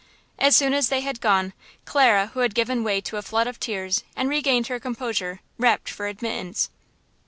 As soon as they had gone, Clara, who had given way to a flood of tears, and regained her composure, rapped for admittance.